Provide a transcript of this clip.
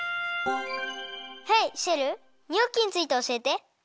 ヘイシェルニョッキについておしえて。